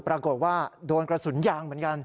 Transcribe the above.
ปรากฏว่าโดนกระสุนยางเหมือนกัน